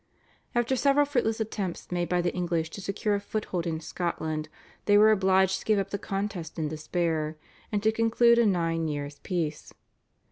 After several fruitless attempts made by the English to secure a foothold in Scotland they were obliged to give up the contest in despair, and to conclude a nine years' peace.